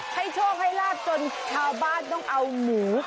โชคให้ลาบจนชาวบ้านต้องเอาหมู